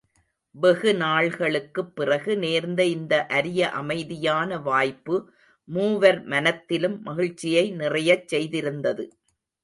வெகு நாள்களுக்குப் பிறகு நேர்ந்த இந்த அரிய அமைதியான வாய்ப்பு மூவர் மனத்திலும் மகிழ்ச்சியை நிறையச் செய்திருந்தது.